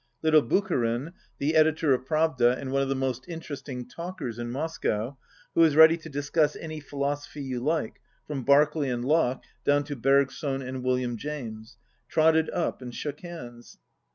Little Bucharin, the editor of Pravda and one of the most interesting talkers in Moscow, who is ready to discuss any philosophy you like, from Berkeley and Locke down to Bergson and William James, trotted up and shook hands.